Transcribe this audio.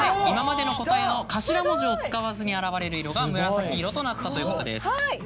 今までの答えの頭文字を使わずに現れる色が「むらさきいろ」となったということです。